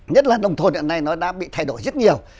nhất là nông thôn hiện nay nó đã bị thay đổi rất nhiều